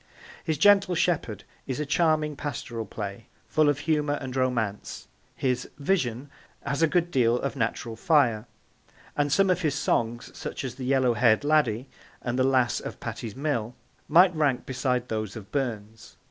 His Gentle Shepherd is a charming pastoral play, full of humour and romance; his Vision has a good deal of natural fire; and some of his songs, such as The Yellow hair'd Laddie and The Lass of Patie's Mill, might rank beside those of Burns.